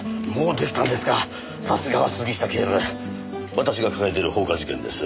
私が抱えている放火事件です。